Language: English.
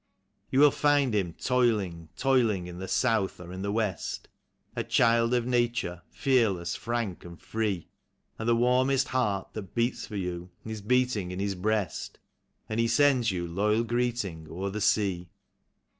You will find him toiling, toiling, in the soutli or in the west, A child of nature, fearless, frank and free; And the warmest heart that beats for you is beating in his breast, And he sends you loyal greeting o'er the sea.